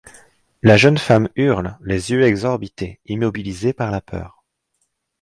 La jeune femme hurle, les yeux exorbités, immobilisée par la peur.